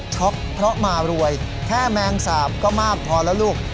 เพราะมารวยแค่แมงสาบก็มากพอแล้วลูก